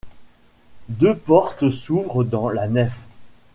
Deux portes s'ouvrent dans la nef.